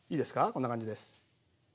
こんな感じです。